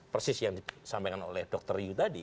persis yang disampaikan oleh dr ryu tadi